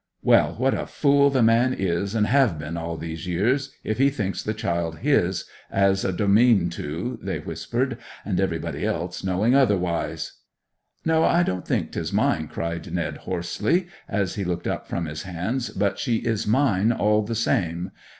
'Well—what a fool the man is, and hev been all these years, if he thinks the child his, as a' do seem to!' they whispered. 'And everybody else knowing otherwise!' 'No, I don't think 'tis mine!' cried Ned hoarsely, as he looked up from his hands. 'But she is mine, all the same!